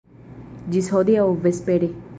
Ĝis hodiaŭ vespere!